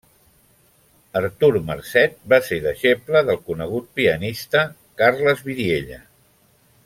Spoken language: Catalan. Artur Marcet va ser deixeble del conegut pianista Carles Vidiella.